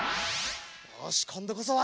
よしこんどこそは！